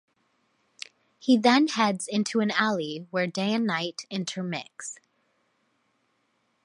He then heads into an alley where day and night intermix.